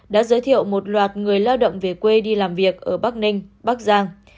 đã giới thiệu một loạt người lao động về quê đi làm việc ở bắc ninh bắc giang